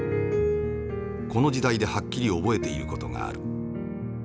この時代ではっきり覚えている事がある。